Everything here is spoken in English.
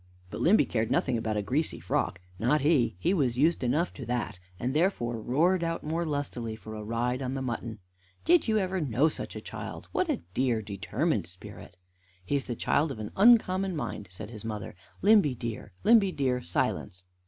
But Limby cared nothing about a greasy frock, not he he was used enough to that and therefore roared out more lustily for a ride on the mutton. "Did you ever know such a child? What a dear, determined spirit!" "He is a child of an uncommon mind," said his mother. "Limby, dear Limby, dear, silence!